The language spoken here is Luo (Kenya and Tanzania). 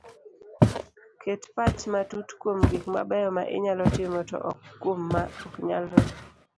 Ket pach matut kuom gik mabeyo ma inyalo timo to ok kuom ma oknyalre